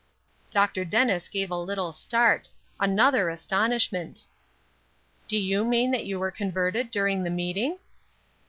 Dr. Dennis gave a little start; another astonishment. "Do you mean that you were converted during that meeting?"